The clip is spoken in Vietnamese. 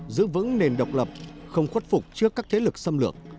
giữ vững nền độc lập không khuất phục trước các thế lực xâm lược